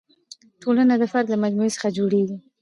ټولنه د فرد له مجموعې څخه جوړېږي.